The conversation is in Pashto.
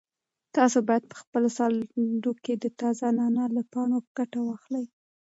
تاسو باید په خپلو سالاډونو کې د تازه نعناع له پاڼو ګټه واخلئ.